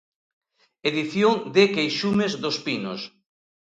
Edición de Queixumes dos pinos.